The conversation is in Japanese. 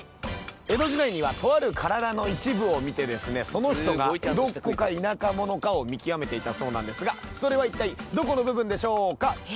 江戸時代にはとある体の一部を見てその人が江戸っ子か田舎者かを見極めていたそうなんですがそれは一体どこの部分でしょうか？